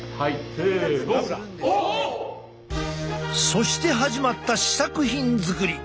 そして始まった試作品作り。